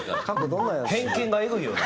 偏見がえぐいよな。